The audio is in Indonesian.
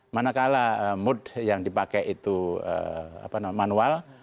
manakala mood yang dipakai itu manual